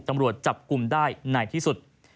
ตำรวจจับกลุ่มได้ในที่สุด